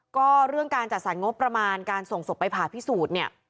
ก็เรื่องการจัดสรรงบประมาณการส่งศพไปผ่าพิสูจน์เนี่ย